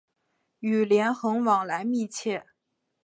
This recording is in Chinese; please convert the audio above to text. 与连横往来密切。